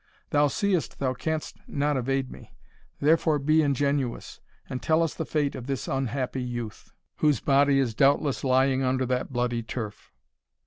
thou seest thou canst not evade me; therefore be ingenuous, and tell us the fate of this unhappy youth, whose body is doubtless lying under that bloody turf."